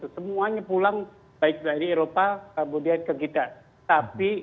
semuanya pulang baik dari eropa kemudian ke kita